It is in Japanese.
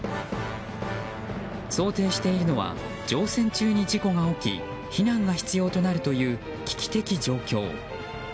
想定しているのは乗船中に事故が起き避難が必要となるという危機的状況。